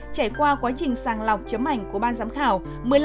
trải qua quá trình sàng lọc chấm ảnh của ban giám khảo